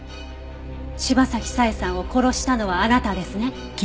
柴崎佐江さんを殺したのはあなたですね？